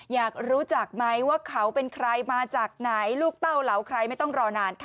อยากรู้จักไหมว่าเขาเป็นใครมาจากไหนลูกเต้าเหลาใครไม่ต้องรอนานค่ะ